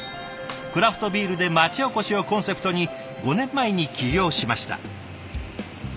クラフトビールで町おこしをコンセプトに５年前に起業しました。